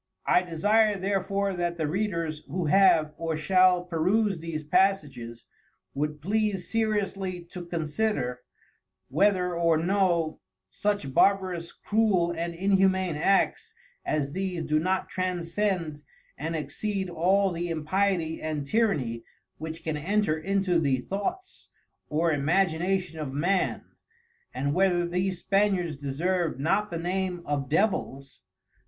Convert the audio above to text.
I desire therefore that the Readers who have or shall peruse these passages, would please seriously to consider whether or no, such Barbarous, Cruel and Inhumane Acts as these do not transcend and exceed all the impiety and tyrrany, which can enter into the thoughts or imagination of Man, and whether these Spaniards deserve not the name of Devils.